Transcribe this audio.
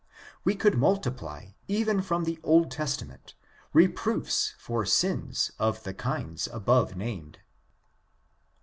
We could multiply, even from the Old Testament, reproofs for sins of the kinds above named.